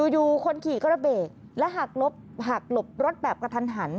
อยู่คนขี่ก็ระเบรกและหักหลบรถแบบกระทันหัน